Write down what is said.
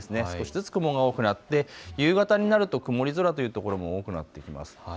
少しずつ雲が多くなって夕方になると曇り空というところも多くなってきます。